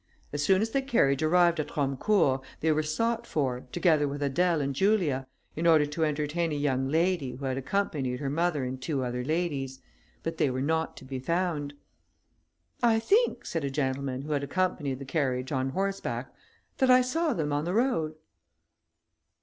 As soon as the carriage arrived at Romecourt, they were sought for, together with Adèle and Julia, in order to entertain a young lady, who had accompanied her mother and two other ladies; but they were not to be found. "I think," said a gentleman, who had accompanied the carriage on horseback, "that I saw them on the road."